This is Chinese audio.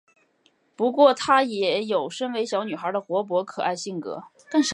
不过她也有身为小女孩的活泼可爱性格。